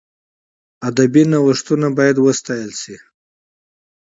ادبي نوښتونه باید وستایل سي.